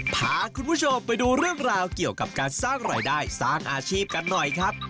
พาคุณผู้ชมไปดูเรื่องราวเกี่ยวกับการสร้างรายได้สร้างอาชีพกันหน่อยครับ